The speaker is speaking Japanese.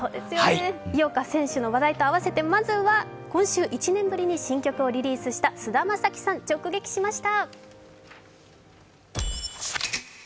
井岡選手の話題とあわせて今年１年ぶりに新曲を出した菅田将暉さん、直撃しました。